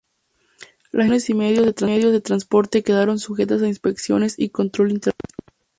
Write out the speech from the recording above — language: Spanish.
Las instalaciones y medios de transporte quedaron sujetas a inspección y control internacional.